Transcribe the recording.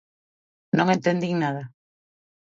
Non entendín nada.